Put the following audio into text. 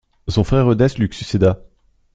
Son frère Eudes lui succéda.